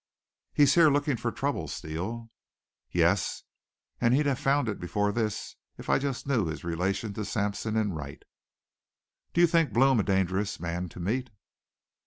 "He's here looking for trouble, Steele." "Yes; and he'd have found it before this if I just knew his relation to Sampson and Wright." "Do you think Blome a dangerous man to meet?"